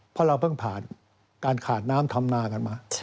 เพราะเราเพิ่งผ่านการขาดน้ำทำนากันมา